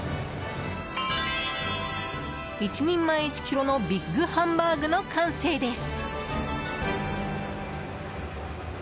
１人前１ｋｇのビッグハンバーグの完成です！